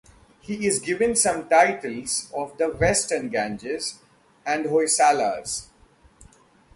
He is given some titles of the Western Gangas and Hoysalas.